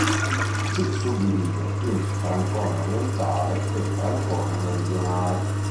Si suddivide in francone orientale e francone meridionale.